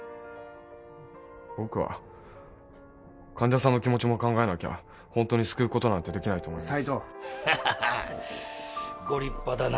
僕は患者さんの気持ちも考えなきゃ本当に救うことなんてできませんご立派だな